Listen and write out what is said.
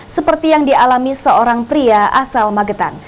seperti yang dialami seorang pria asal magetan